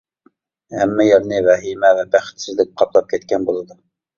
ھەممە يەرنى ۋەھىمە ۋە بەختسىزلىك قاپلاپ كەتكەن بولىدۇ.